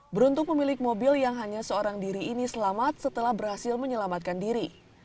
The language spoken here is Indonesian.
beruntung pemilik mobil yang hanya seorang diri ini selamat setelah berhasil menyelamatkan diri